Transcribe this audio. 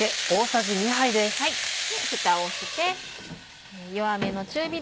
でふたをして。